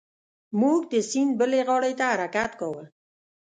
موږ د سیند بلې غاړې ته حرکت کاوه.